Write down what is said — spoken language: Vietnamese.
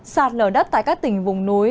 sạt lở đất tại các tỉnh vùng núi